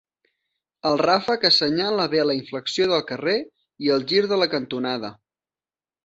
El ràfec assenyala bé la inflexió del carrer i el gir de la cantonada.